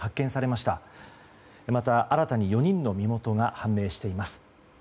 また、新たに４人の身元が判明しています。